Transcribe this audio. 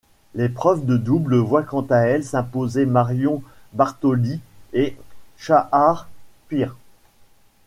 L'épreuve de double voit quant à elle s'imposer Marion Bartoli et Shahar Peer.